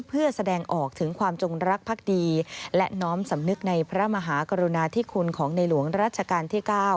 เพื่อแสดงออกถึงความจงรักภักดีและน้อมสำนึกในพระมหากรุณาธิคุณของในหลวงรัชกาลที่๙